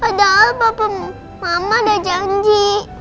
padahal papa mama udah janji